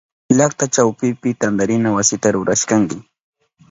Llakta chawpipi tantarina wasita rurashkanchi.